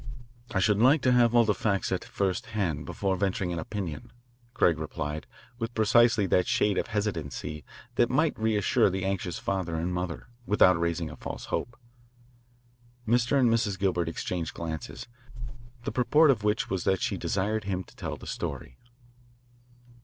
"I should like to have all the facts at first hand before venturing an opinion," Craig replied with precisely that shade of hesitancy that might reassure the anxious father and mother, without raising a false hope. Mr. and Mrs. Gilbert exchanged glances, the purport of which was that she desired him to tell the story.